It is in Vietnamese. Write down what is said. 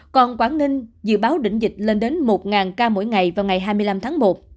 còn quảng ninh dự báo đỉnh dịch lên đến một ca mỗi ngày vào ngày hai mươi năm tháng một